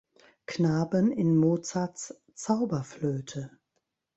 Knaben in Mozarts Zauberflöte.